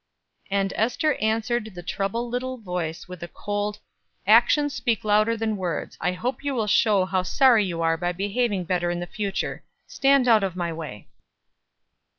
And Ester answered the troubled little voice with a cold "Actions speak louder than words. I hope you will show how sorry you are by behaving better in future. Stand out of my way."